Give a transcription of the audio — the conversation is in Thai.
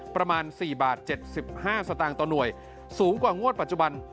ประมาณ๔บาท๗๕สตางค์ต่อหน่วยสูงกว่างวดปัจจุบัน